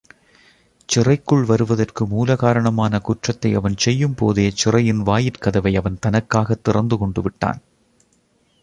சிறைக்குள் வருவதற்கு மூலகாரணமான குற்றத்தை அவன் செய்யும் போதே சிறையின் வாயிற்கதவை அவன் தனக்காகத் திறந்து கொண்டுவிட்டான்.